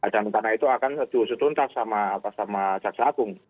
dan karena itu akan diusutun sama jaksaan agung